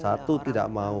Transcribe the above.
satu tidak mau